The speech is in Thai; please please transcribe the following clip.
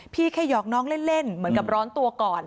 แค่หยอกน้องเล่นเหมือนกับร้อนตัวก่อน